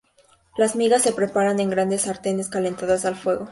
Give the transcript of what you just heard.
Las migas se preparan en grandes sartenes calentadas al fuego.